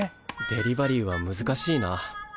デリバリーは難しいな。